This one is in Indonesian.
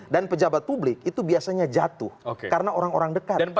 dan pejabat publik itu biasanya jatuh karena orang orang dekat